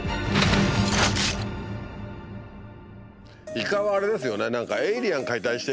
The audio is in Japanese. イカはあれですよね